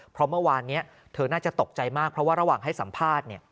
เพราะเมื่อวานนี้เธอน่าจะตกใจมากเพราะว่าระหว่างให้สัมภาษณ์